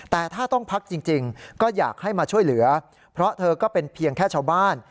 แต่ถ้าต้องพักจริงก็อยากให้มาช่วยเหลือเพราะเธอก็เป็นเพียงแค่ชาวบ้าน